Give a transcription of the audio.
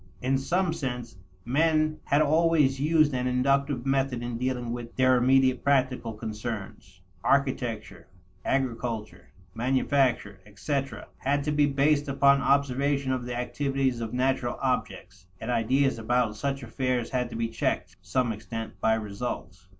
In some sense, men had always used an inductive method in dealing with their immediate practical concerns. Architecture, agriculture, manufacture, etc., had to be based upon observation of the activities of natural objects, and ideas about such affairs had to be checked, to some extent, by results.